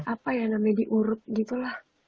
apa ya namanya diurut gitu lah